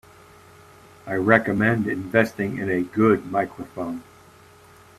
I recommend investing in a good microphone.